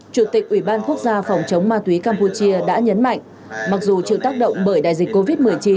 chủ tịch ủy ban quốc gia phòng chống ma túy campuchia đã nhấn mạnh mặc dù chịu tác động bởi đại dịch covid một mươi chín